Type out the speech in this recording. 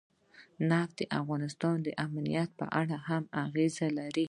نفت د افغانستان د امنیت په اړه هم اغېز لري.